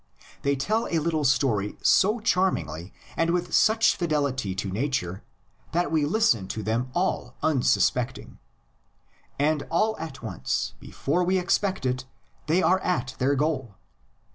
They tell a little story so charmingly and with such fidelity to nature that we listen to them all unsus pecting; and all at once, before we expect it, they are at their goal.